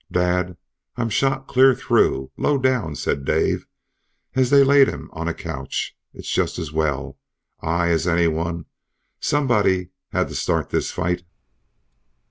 "Dad I'm shot clean through low down," said Dave, as they laid him on a couch. "It's just as well I as any one somebody had to start this fight."